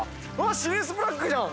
シリウス・ブラックじゃん！